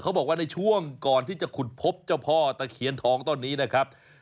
บอกว่าในช่วงก่อนที่จะขุดพบเจ้าพ่อตะเคียนทองต้นนี้นะครับ